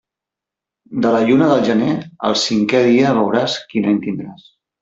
De la lluna del gener el cinquè dia veuràs quin any tindràs.